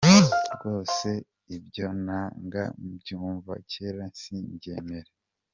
Rwose, ibyo najyaga mbyumva kera, simbyemere.